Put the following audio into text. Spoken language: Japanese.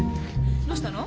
どうしたの？